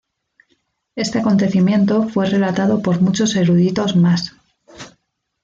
Este acontecimiento fue relatado por muchos eruditos más.